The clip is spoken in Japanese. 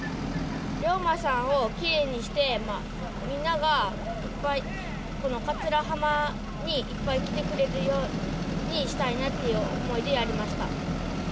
龍馬さんをきれいにして、みんながいっぱい、この桂浜にいっぱい来てくれるようにしたいなっていう思いでやりました。